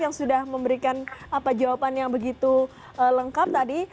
yang sudah memberikan jawaban yang begitu lengkap tadi